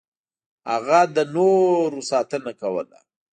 هغه د نورو ساتنه کوله.